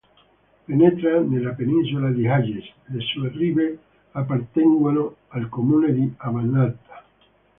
Penetra nella Penisola di Hayes; le sue rive appartengono al comune di Avannaata.